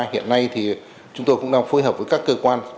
hiện nay thì chúng tôi cũng đang phối hợp với các cơ quan